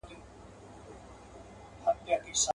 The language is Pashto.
تا ته ښایی په دوږخ کي عذابونه.